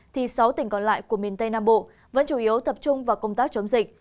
thì sáu tỉnh còn lại của miền tây nam bộ vẫn chủ yếu tập trung vào công tác chống dịch